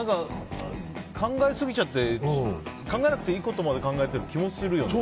考えすぎちゃって考えなくていいことまで考えてる気もするよね。